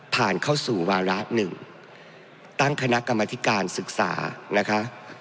ผ่านเข้าสู่วาระหนึ่งตั้งคณะกรรมธิการศึกษานะคะ